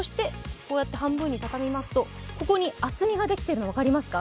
半分に畳みますと、ここに厚みができているのが分かりますか？